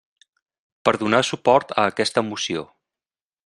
Per donar suport a aquesta moció.